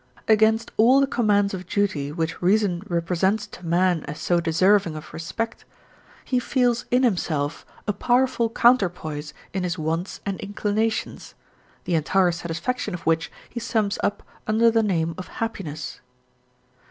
Against all the commands of duty which reason represents to man as so deserving of respect, he feels in himself a powerful counterpoise in his wants and inclinations, the entire satisfaction of which he sums up under the name of happiness.